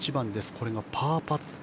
これがパーパット。